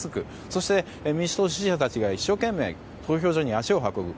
そして、民主党支持者たちが一生懸命、投票所に足を運ぶ。